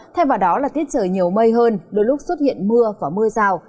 thay vào đó là tiết trời nhiều mây hơn đôi lúc xuất hiện mưa có mưa rào